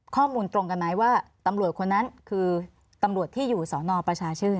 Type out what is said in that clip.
ข้อมูลตรงกันไหมว่าตำรวจคนนั้นคือตำรวจที่อยู่สอนอประชาชื่น